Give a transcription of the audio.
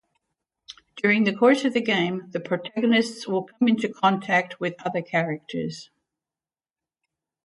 During the course of game, the protagonist will come in contact with other characters.